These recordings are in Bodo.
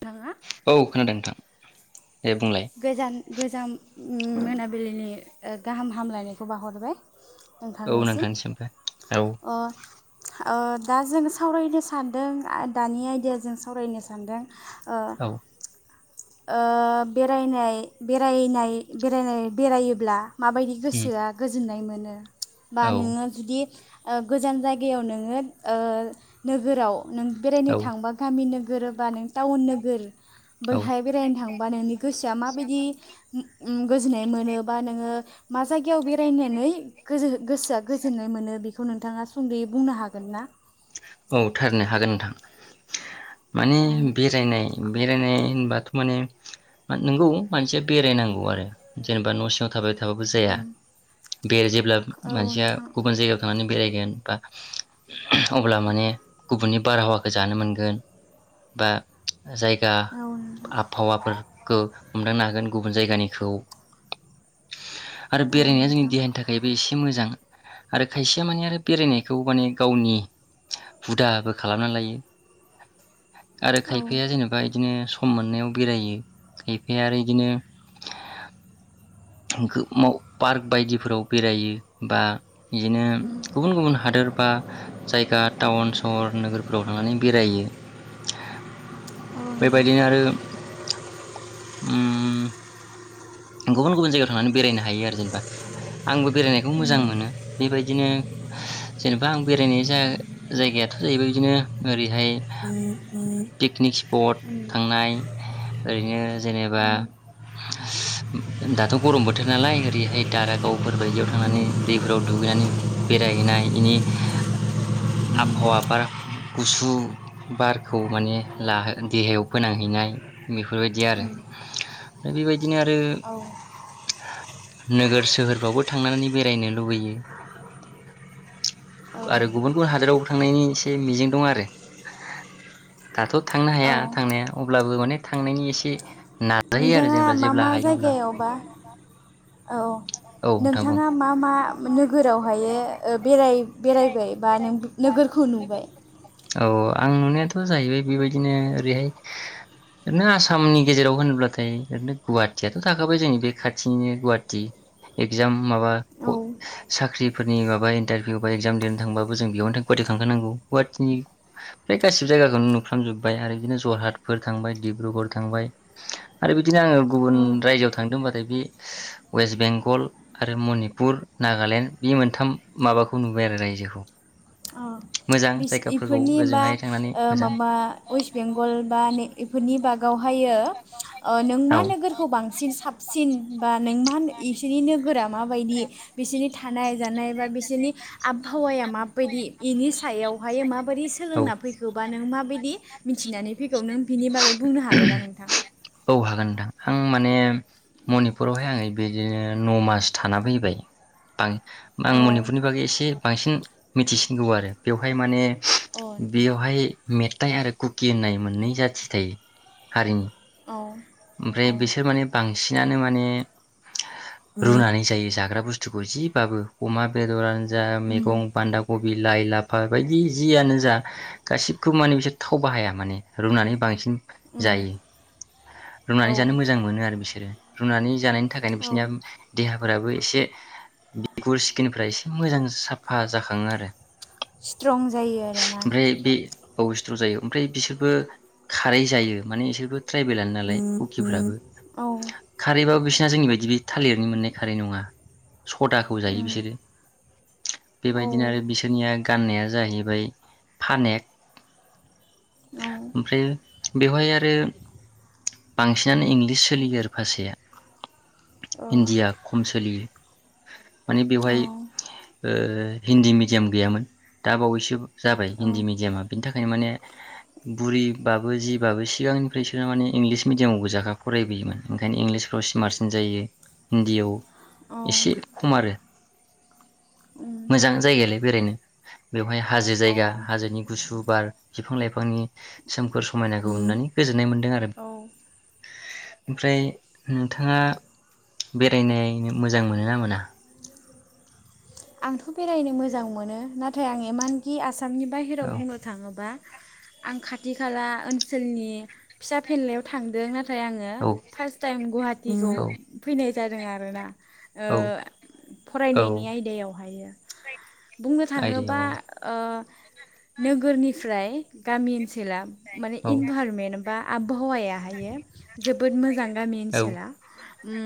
दा औ खोनादों नोंथां दे बुंलाय गोजान गोजाम मोनाबिलिनि ओ गाहाम हामलायनायखौ बाउहरबाय औ नोंथांनिसिम नोंथांनिसिमबो औ अ ओ दा जों सावरायनो सानदों दानि आयदाया जों सावरायनो सानदों ओ औ ओ बेरायनाय बेरायनाय बेरायनाय बेरायोब्ला माबायदि उम गोसोआ गोजोननाय मोनो बिदिनो बा औ नोङो जुदि ओ गोजान जायगायाव नोङो ओ नोगोराव नों बेरायनो औ थांबा गामिनो नोगोरोबा नों टाउन नोगोर औ आाहाय बेरायनो थांबा नोंनि गोसोआ माबायदि गोजोननाय मोनोबा नोङो मा जायगायाव बेरायनानै गोसोआ गोजोननाय मोनो बे बेखौ नोंथाङा सुंद'यै बुंनो हागोन ना? औ थारनो हागोन नोंथां माने बेरायनाय बेरायनाय होनबा माने मानसिया बेरायनांगौ आरो जेनेबा न' सिङाव थाबाय था थाबो जाया बे जेब्ला औ मानसिया नोंथां गुबुन जायगायाव थांनानै बेरायगोन बा [inaudible] अब्ला माने गुबुननि बारहावाखौ जानो मोनगोन बा जायगा औ नोंथां आबहावाफोरखौ हमदांनो हागोन गुबुन जायगानिखौ आरो औ बेरायनाया जोंनि नोंथां देहानि थाखायबो एसे मोजां । आरो खायसेया माने आरो बेरायनायखौ माने गावनि हुदाबो खालामना लायो । आरो औ खायफाया जेनेबा बिदिनो सम मोननायाव बेरायो खायफाया आरो इदिनो पार्क बायदिफोराव बेरायो बा बिदिनो गुबुन गुबुन हादोर बा ओ टाउन सहर नोगोरफोराव थांनानै बेरायो । बेबायदिनो आरो उम गुबुन गुबुन जायगायाव थांनानै बेरायनो हायो आरो जेनेबा आंबो बेरायनायखौ मोजां मोनो बेबायदिनो जेनेबा आं बेरायनाय जाय-जायगायाथ' जाहैबाय बिदिनो ओरैहाय पिकनिक स्पट थांनाय ओरैनो जेनेबा उम, दाथ' गरम बोथोर नालाय ओरैहाय दारागावफोर बायदियाव थांनानै दैफोराव दुगैनानै बेरायहैनाय बेनि आबहावा बार गुसु बारखौ माने ला देहायाव फोनांहैनाय बेफोरबायदि आरो ओफ्राय बेबायदिनो आरो औ नोगोर सोहोरफ्रावबो थांनानै बेरायनो लुबैयो औ आरो गुबुन गुबुन हादोरावबो थांनायनि एसे मिजिं दं आरो दाथ' थांनो औ हाया थांनाया अब्लाबो माने थांनायनि एसे नाजायो आरो जेनेबा जेब्ला हायो अब्ला अबा औ औ औ नोंथां बुं नोंथाङा मा मा नोगोरावहाय ओ बे-बेरायबाय बा नोगोरखौ नुबाय औ आं नुनायाथ' जाहैबाय बेबायदिनो ओरैहाय ओरैनो आसामनि गेजेराव होनोब्लाथाय ओरैनो गुवाहाटियाथ' थाखाबाय जोंनि बे खाथिनिनो गुवाहाटि एगजाम माबा औ साख्रिफोरनि माबा इन्टारभिउ बा इगजाम दिरनो थांबाबो जों बेयावनो थ' गुवाहाटि थांखानांगौ गुवाहाटिनि्र गासिबो जायगाखौनो नुफ्राजोब्बाय आरो बिदिनो जरहाटफोर थांबाय डिब्रुगड़ थांबाय आरो बिदिनो आङो गुबुन औ रायजोआव थांदों होनबाथाय बे वेस्ट बेंगल बेंगल आरो मनिपुर नागालेण्ड बे मोनथाम माबाखौ नुबाय आरो रायजोखौ मोजां बिस जायगाफोरखौ बेफोरनि ओ बा ओजोंहाय थांनानै मोजां माबा वेस्ट बेंगल बा ने बेफोरनि बागावहायो ओ नों औ मा नोगोरखौ बांसिन साबसिन बा नों मा इसोरनि नोगोराव माबायदि बिसोरनि थानाय जानाय बा बिसोरनि आबहावाया माबायदि बेनि सो सायावहाय मा मोरै सोलोंना औ फैबा नों माबे दि मिथिनानै फै खौ नों बिनि बागै बुंनो हागोन ना नोंथां औ हागोन नोंथां आं माने मनिपुरावहाय आङो बिदिनो न' मास थाना फैबाय आं आं औ मनिपुरनि बागै एसे बांसिन मिथिसिनगौ आरो बेवहाय माने औ बेयावहाय मेथाइ आरो कुकि होननाय मोननै जाथि थायो हारिनि औ ओमफ्राय बिसोर माने बांसिन बांसिनानो माने रुनानै जायो जाग्रा बुस्थु बुस्थुखौ जिबाबो अमा बेदरानो जा मैगं बान्दा कबि लाइ लाफा बायदि जियानो जा गासिखौबो माने बिसोर थाव बाहाया माने रुनानै बांसिन औ जायो औ रुनानै जानो मोजां मोनो आरो बिसोरो रुनानै जानाय थाखायनो औ बिसिनि देहा फोराबो एसे बिगुर स्किनफ्रा एसे मोजां साफा जाखाङो आरो । स्ट्रं जायो आरोना अ स्थ्रं जायो ओमफ्राय बिसोरबो खारै जायो माने बिसोरबो ट्राइ बेलानो औ नालाय कुकिफोराबो खारैबाबो दा जोंनि बायदि बे थालिरनि मोननाय खारै नङा सदाखौ जायो बिसोरो बेबायदिनो आरो बिसोरनिया गाननाया जाहैबाय फानेक ओमफ्राय बेवहाय आरो बांसिनानो इंलिस सोलियो आरो भाषाया हिन्डिया खम सोलियो माने बेवहाय ओ हिन्दी मिडियाम गैयामोन दा बावैसो । जाबाय हिन्दी मिडियामा बिनि थाखायनो माने बुरिबाबो जिबाबो सिगांनिफ्राय स बिदिनो माने इंलिस मिडियामाव गोजाखा फरायबोयोमोन ओंखायनो इंलिसफ्राव स्मार्टसिन जायो हिन्दीयाव एसे खम आरो मोजां जायगायालाय बेरायनो बेवहाय हाजो जायगा हाजोनि गुसु बार बिफां लाइ फांनि सोमखोर समायनाखौ नुनानै गोजोन नाय मोनदों आरो ओमफ्राय नोंथाङा बेरायनायनो मोजां मोनो ना मोना? आंथ' बेरायनो मोजां मोनो नाथाय आं इमानखि आस सामनि औ बाहेराव बुंनो थाङोबा आं खाथि खाला ओनसोलनि फिसा फेनलायाव थांदों ना थाय आङो औ फास टाइम गुवाहाटिखौ औ फैनाय जादों आरोना ओ औ औ फरायनायनि आयदायाव बाहायो बुंनो थाङोबा आयदायाव औ ओ नोगोरनिफ्राय गामि ओनसोला माने इनभारमेन्ट आ आबहावा आहायो जोबोद मोजां। गामि औ ओनसोला उम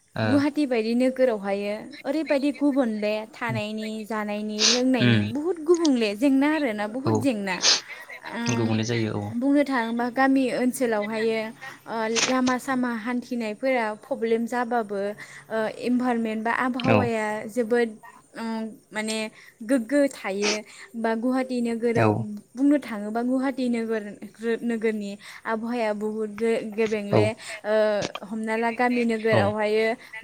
औ गुवाहाटि बायदि गोराव हायो ओरै बायदि गुबुन बे ओ थानायनि जानायनि लोंनायनि उम बुहुद गुबुंले जेंना आरोना औ बुहुद जेंना गुबुंले जायो ओम बुंनो थाङोबा गामि ओनसोलावहायो ओ लामा सामा हान्थि फिनायफोरा पब्लेम जाबाबो ओ इमभारमेन्ट बा औ आबहावाया जोबोद ओम माने गोग्गो थायो बा थि नोगोरो बु बुंनो थाङोबा गुवाहाटि नोगोर रो नोगोरनि आबहावाया बुहुद गे औ बेंले ओ हमना ला गामि औ नोगोरावहाय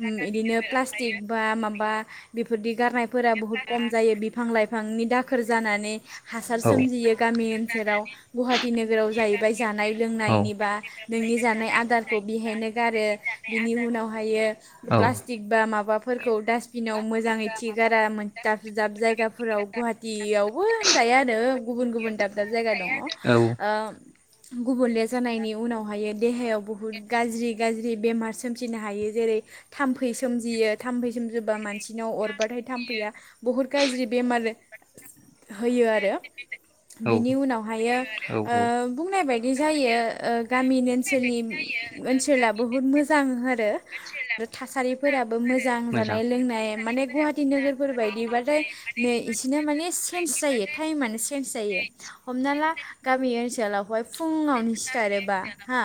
उम बिदिनो प्लास्टिक बा माबा बेफोरदि गारनायफोरा बहुत खम जायो बिफां लाइफांनि दाखोर जानानै हासार औ सोमजियो गामि ओनसोलाव गुवाहाटि नोगोराव जाहैबाय जानाय औ लोंनायनि बा नोंनि जानाय आदारखौ बेहायनो गारो बिनि उनावहायो औ प्लास्टिक बा माबाफोरखौ डास्टबिनाव मोजां मिथिया गारा दाब दाब जायगाफोराव गुवाहाटियावबो होनजायो गुबुन गुबुन दाब दाब जायगा दङ‌। औ गुबुंले जानायनि उनावहायो देहायाव बहुद गाज्रि गाज्रि बेमार सोमजिनो हायो जेरै थाम्फै सोमजियो थाम्फै सोमजिबा मान सिनाव अरबाथाय थाम्फैया बुहुत गाज्रि बेमार होयो आरो औ बिनि उनावहायो ओ औ बुंनाय बायदि बिदि जायो ओ गामिनि ओनसोलनि ओनसोला बुहुत मोजां आरो आरो थासारिफोराबो मोजां जानाय लोंनाय गुवाहाटि नोगोरफोर बायदिबाथाय नै इसेनो माने चेन्ज जायो टाइमनो चेन्ज जायो हमना ला गामि ओनसोलावहाय फुङावनो सिखारोबा हा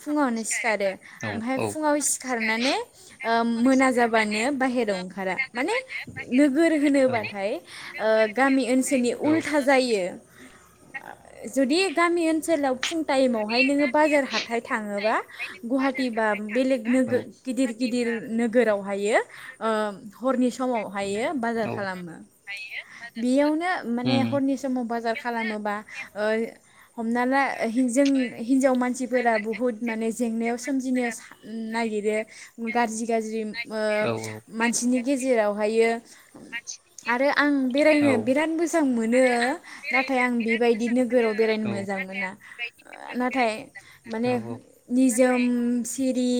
फुङावनो सिखारो औ ओमफ्राय औ फुङाव सिखारनानै ओ मोना जाबानो बाहेरायाव ओंखार ने नोगोर औ होनोबाथाय ओ गामि ओनसोलनि उल्था जायो ओ जुदि गामि ओनसोलाव फुं टाइमावहाय नोङो बाजार हाथाय थाङोबा गुवाहाटि बा बेलेग औ नोगोर गिदिर गिदिर नोगोरावहायो ओ हरनि समावहायो बाजार औ खालामो बेयावनो माने उम हरनि समाव बाजार खालामोबा ओ। हमना ला जों हिनजाव मानसिफोरा बुहुत माने जेंनायाव सो सोमजिनो नागिरो गाज्रि गाज्रि। ओ औ मानसिनि गेजेरावहायो आरो आं औ बेरायनो बिराद मोजां मोनो नों नाथाय आं बेबायदि नो गोराव बेरायनो मोजां मोना । ओ नाथाय औ माने निजोमसिन दि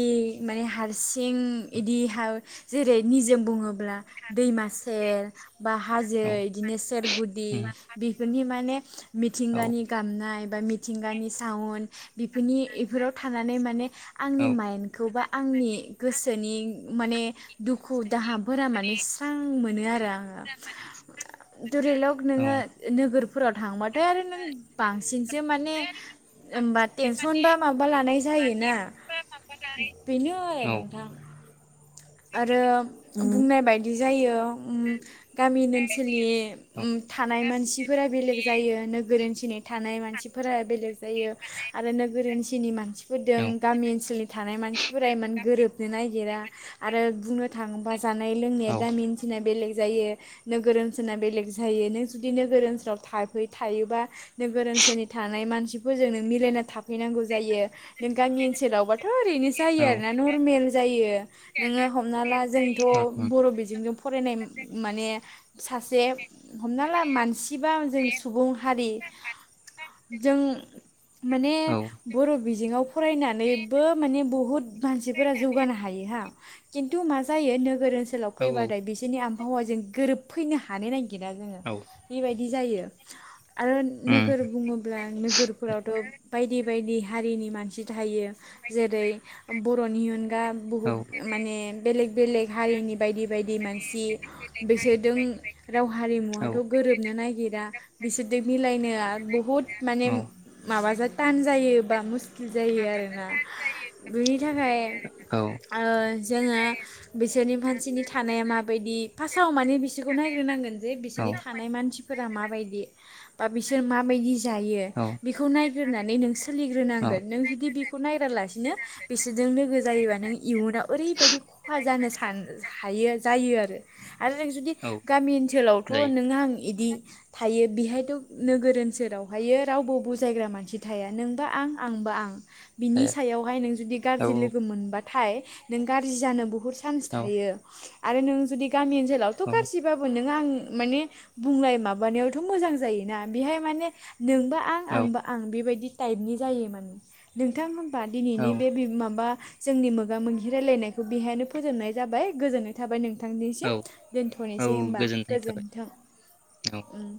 माने हारसिं इदि हा जेरै निजोम बुङोबो ब्ला दैमा सेर बा हाजो उम बिदिनो सेरगुदि बेफोरनि माने औ मिथिंगानि गामनाय बा मिथिंगानि साउन बेफोरनि इफोराव थानानै माने आंनि माइन्दखौबा आंनि गोसोनि माने दुखु दाहाफोरा माने स्रां मोनो आरो आङो । दुरिलक औ उम नोङो नोगोर फोराव थांबाथाय आरो नों बांसिन जे माने ओमबा टेनसन बा माबा लानाय जायोना बेनो औ आरो नोंथां । आरो बुंनाय बायदि जायो उम गामिनि ओनसोलनि उम थानाय मानसिफोरा बेलेग जायो नोगोर मिथिनाय थानाय मानसिफोरा बेलेग जायो आरो नोगोर ओ थिनि मानसि फोरदों गामि ओनसोलनि थानाय मानसिफोरा इमान गोरोबनो नागिरा । आरो बुंनो थाङोबा जे जानाय लोंनाया गामि ओनसोलना बेलेग जायो नोगोर ओनसोलना बेलेग जायो नों जुदि नोगोर ओनसोलाव थाफै थायोबा नोगोर ओनसोलनि थानाय मानसिफोरजों नों मिलायना थाफैनांगौ जायो नों गामि ओनसोलावबा था ओरैनो जायो आरोना नरमेल जायो । नोङो हमना ला जोंथ' बर' बिजोंजों फ फरायनाय माने सासे हमना ला मानसिबा जों सुबुं हारि जों माने औ बर' बिजोङाव फरायनानैबो माने बुहुद मानसिफोरा जौगानो हायो हा खिन्थु मा जायो नोगोर ओनसोलाव फैबाथाय बिसोरनि आबहावाजों गोरोबफैनो हानो नागिरा जोङो बेबायदि जायो आरो नोगोर बुङोब्ला नोगोरफोरावथ' बायदि बायदि हारिनि मानसि थायो जेरै बर'नि अनगा बुहुद माने बेलेग बेलेग हारिनि बायदि बायदि मानसि बिसोरजों राव हारिमुवाथ' गोरोबनो नागिरा बिसोरजों मिलायनो बुहुद माने माबा थाश जायो बा मुस्किल जायो आरोना बिनि थाखाय ओ जोङो बिसोरनि मानसिनि थानाया माबायदि फार्स्टआव माने बिसोरखौ नायग्रोनांगोन जे बिसोरनि थानाय मानसिफोरा माबायदि बा बिसोर माबायदि जायो बेखौ नायग्रोनानै नों सोलिग्रोनांगोन नों जुदि बेखौ नायग्रालासिनो बिसोरजों लोगो जायोबा नों इयुनाव ओरैबायदि खहा जानो सान हायो जायो आरो आरो नों जुदि औ गामि ओनसोलावथ' जायो नों आं इदि थायो बेहायथ' नोगोर ओनसोलावहाय रावबो बुजायग्रा मानसि थाया नोंबा आं आंबा आं बिनि थाया सायावहाय नों जुदि औ गाज्रि लोगो मोनबा थाय नों गाज्रि जानो बुहुत सान्स औ थायो आरो नों जुदि गामि ओनसोलावथ' औ गाज्रिबाबो नों आं माने बुंनाय माबानायावथ' मोजां जायोना बेहाय माने नोंबो आं औ औ आंबो आं बेबायदि टाइपनि जायो माने नोंथांमोनबा दिनैनि बे माबा जोंनि मोगा मोगि रायलायनायखौ बेहायनो फोजोबनाय जाबाय गोजोननाय थाबाय नोंथांनिसिम औ दोनथ'नोसै औ थ'नोसै होनबा गोजोननाय थाबाय गोजोन्थों औ उम